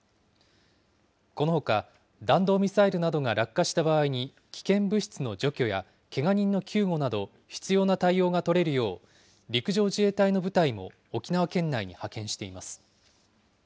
このほか、弾道ミサイルなどが落下した場合に、危険物質の除去やけが人の救護など、必要な対応が取れるよう、陸上自衛隊の部隊も沖縄県内に派遣しています。